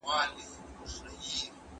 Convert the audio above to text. موږ به په ګډه د کلي د ابادۍ لپاره کار وکړو.